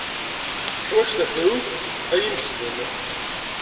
Teḥwaj tafrut ay imesden.